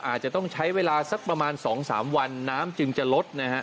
อาจจะต้องใช้เวลาสักประมาณ๒๓วันน้ำจึงจะลดนะฮะ